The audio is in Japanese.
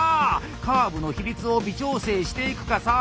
カーブの比率を微調整していくかさあ